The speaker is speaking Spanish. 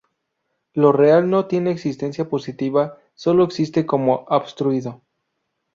Lo real no tiene existencia positiva; solo existe como obstruido.